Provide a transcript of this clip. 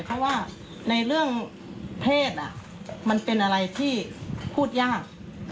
เพราะว่าในเรื่องเพศมันเป็นอะไรที่พูดยาก